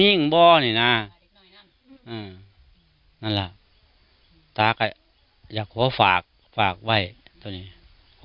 หญิงบ่านี่น่ะอืมนั่นล่ะตาอยากขอฝากฝากไว้ตัวนี้ขอ